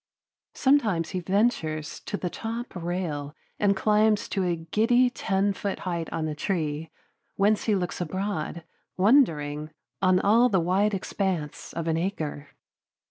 Sometimes he ventures to the top rail and climbs to a giddy ten foot height on a tree, whence he looks abroad, wondering, on the wide expanse of an acre.